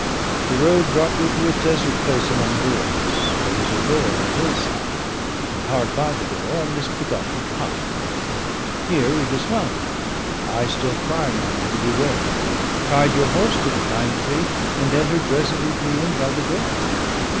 The road brought you to a desert place among ruins, where was a door in a hill side, and hard by the door a misbegotten pine. Here you dismounted (I still crying on you to beware), tied your horse to the pine tree, and entered resolutely in by the door.